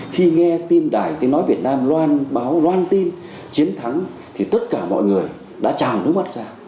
khi nghe tin đài tiếng nói việt nam loan báo loan tin chiến thắng thì tất cả mọi người đã chào nước mắt ra